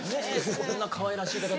こんなかわいらしい方とか。